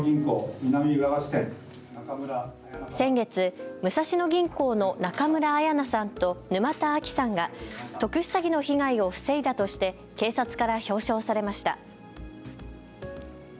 先月、武蔵野銀行の中村彩那さんと沼田有希さんが特殊詐欺の被害を防いだとして警察から表彰されました。